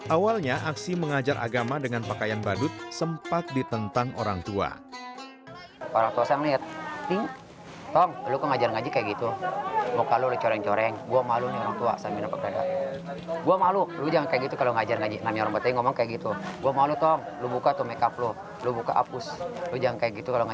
awalnya aksi mengajar agama dengan pakaian badut sempat ditentang orang tua